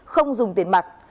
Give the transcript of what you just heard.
không dùng tiền mặt